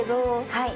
はい。